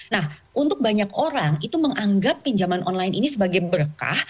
nah untuk banyak orang itu menganggap pinjaman online ini sebagai berkah